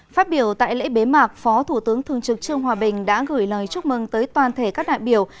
phát biểu tại lễ bế mạc phó thủ tướng thường trực trương hòa bình đã gửi lời chúc mừng tới toàn thể các đại biểu